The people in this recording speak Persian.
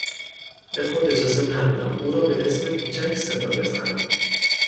به خود اجازه ندادم او را به اسم کوچک صدا بزنم.